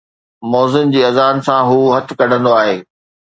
مؤذن جي اذان سان، هو هٿ ڪڍندو آهي